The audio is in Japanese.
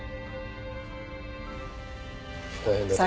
大変だったな。